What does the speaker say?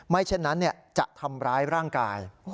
เช่นนั้นจะทำร้ายร่างกาย